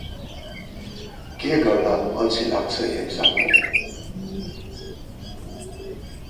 के गर्दा अल्छी लाग्छ हेमसागर?